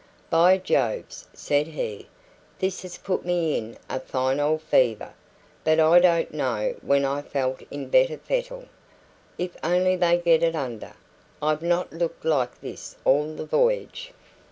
"By Jove!" said he, "this has put me in a fine old fever; but I don't know when I felt in better fettle. If only they get it under! I've not looked like this all the voyage."